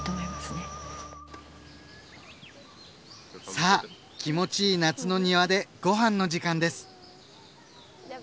さぁ気持ちいい夏の庭でご飯の時間です！